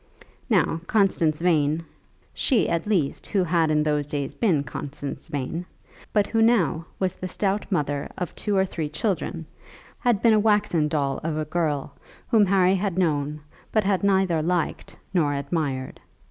Now Constance Vane, she at least who had in those days been Constance Vane, but who now was the stout mother of two or three children, had been a waxen doll of a girl, whom Harry had known, but had neither liked nor admired.